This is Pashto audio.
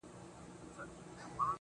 په گلونو کي د چا د خولې خندا ده~